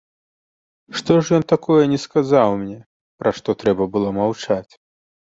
Што ж ён такое не сказаў мне, пра што трэба маўчаць?